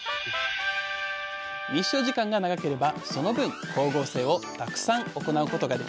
日照時間が長ければその分光合成をたくさん行うことができます。